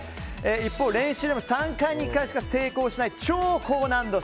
一方、練習でも３回に１回しか成功しない超難度！